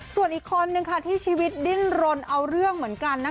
ส่วนอีกคนนึงค่ะที่ชีวิตดิ้นรนเอาเรื่องเหมือนกันนะคะ